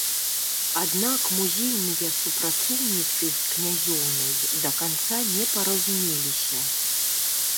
Аднак музейныя супрацоўніцы з князёўнай да канца не паразумеліся.